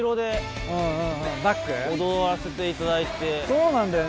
そうなんだよね。